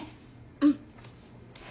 うん。